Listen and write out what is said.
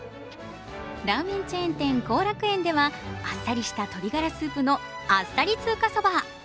ラーメンチェーン店、幸楽苑ではあっさりした鶏ガラスープのあっさり通過そば。